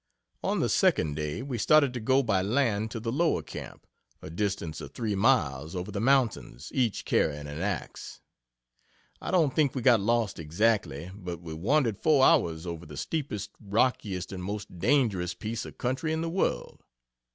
On the second day we started to go by land to the lower camp, a distance of three miles, over the mountains, each carrying an axe. I don't think we got lost exactly, but we wandered four hours over the steepest, rockiest and most dangerous piece of country in the world.